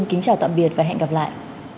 kính chào tạm biệt và hẹn gặp lại